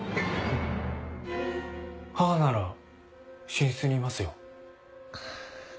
母なら寝室にいますよ。